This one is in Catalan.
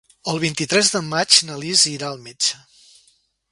El vint-i-tres de maig na Lis irà al metge.